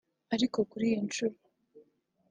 ariko kuri iyi nshuro